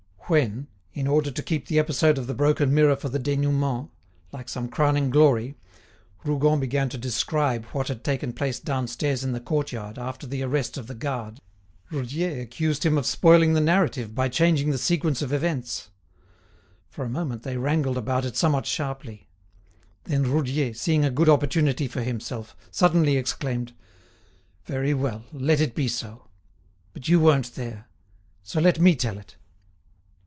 When, in order to keep the episode of the broken mirror for the dénouement, like some crowning glory, Rougon began to describe what had taken place downstairs in the courtyard, after the arrest of the guard, Roudier accused him of spoiling the narrative by changing the sequence of events. For a moment they wrangled about it somewhat sharply. Then Roudier, seeing a good opportunity for himself, suddenly exclaimed: "Very well, let it be so. But you weren't there. So let me tell it."